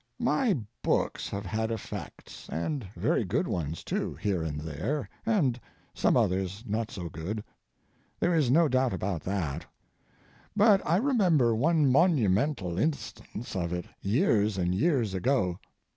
My books have had effects, and very good ones, too, here and there, and some others not so good. There is no doubt about that. But I remember one monumental instance of it years and years ago.